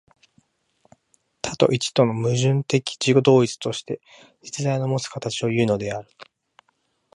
多と一との矛盾的自己同一として、実在のもつ形をいうのである。